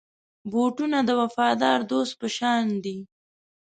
بوټونه د وفادار دوست په شان دي.